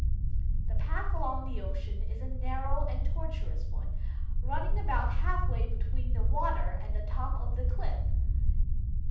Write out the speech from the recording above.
The path along the ocean is a narrow and tortuous one, running about halfway between the water and the top of the cliff.